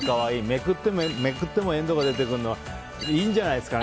めくってもめくっても遠藤が出てくるのはいいんじゃないですか。